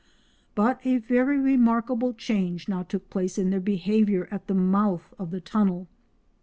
But a very remarkable change now took place in their behaviour at the mouth of the tunnel.